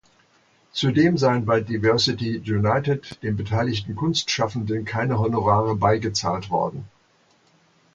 Zudem seien bei "Diversity United" den beteiligen Kunstschaffenden keine Honorare bei gezahlt worden.